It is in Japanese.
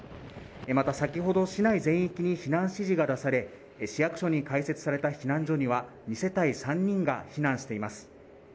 また先ほど市内全域に避難指示が出され市役所に開設された避難所には２世帯３人が避難しています